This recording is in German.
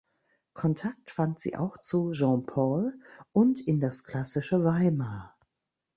Kontakt fand sie auch zu Jean Paul und in das klassische Weimar.